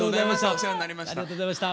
お世話になりました。